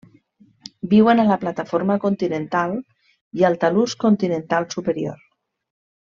Viuen a la plataforma continental i al talús continental superior.